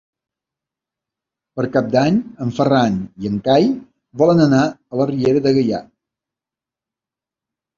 Per Cap d'Any en Ferran i en Cai volen anar a la Riera de Gaià.